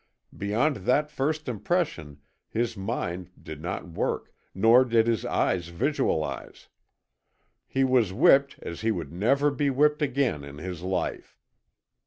Beyond that first impression his mind did not work, nor did his eyes visualize. He was whipped as he would never be whipped again in his life.